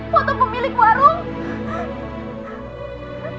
foto pemilik warung